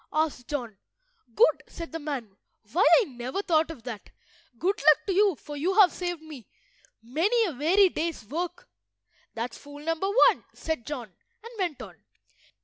asked John. "Good," said the man. "Why, I never thought of that! Good luck to you, for you have saved me many a weary day's work." "That's fool number one," said John, and went on.